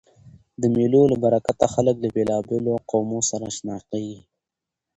د مېلو له برکته خلک له بېلابېلو قومو سره آشنا کېږي.